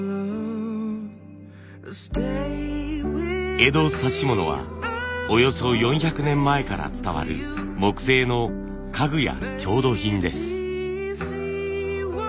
江戸指物はおよそ４００年前から伝わる木製の家具や調度品です。